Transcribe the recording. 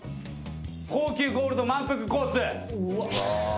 高級ゴールドまんぷくコース。